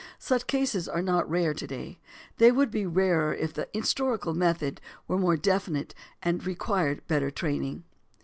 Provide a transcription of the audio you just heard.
Such cases are not rare to day; they would be rarer if the historical method were more definite and required better training.